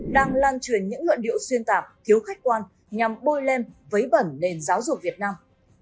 đang lan truyền những luận điệu xuyên tạp thiếu khách quan nhằm bôi lên vấy bẩn nền giáo dục việt nam